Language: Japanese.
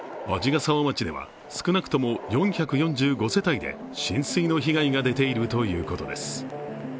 鰺ヶ沢町では少なくとも４４５世帯で浸水の被害が出ているということです。